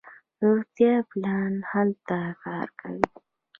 روغتیاپالان هلته کار کوي.